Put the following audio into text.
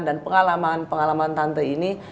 dan pengalaman pengalaman tante ini